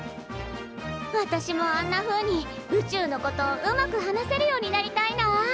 私もあんなふうに宇宙のことうまく話せるようになりたいな。